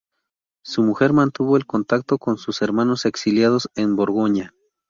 Su mujer mantuvo el contacto con sus hermanos exiliados en Borgoña.